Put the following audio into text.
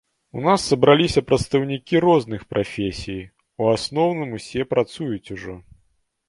У нас сабраліся прадстаўнікі розных прафесій, у асноўным усе працуюць ужо.